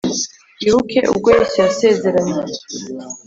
Wibuke ubwo Yesu yasezeranye,